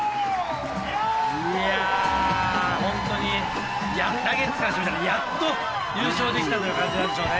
いや本当にラゲッズからしてみたらやっと優勝できたという感じなんでしょうね。